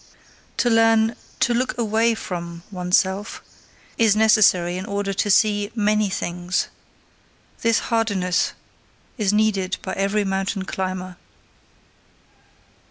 To learn TO LOOK AWAY FROM oneself, is necessary in order to see MANY THINGS: this hardiness is needed by every mountain climber.